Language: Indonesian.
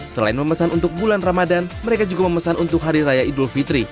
selain memesan untuk bulan ramadan mereka juga memesan untuk hari raya idul fitri